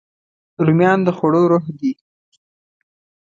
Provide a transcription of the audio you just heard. رومیان د خوړو روح دي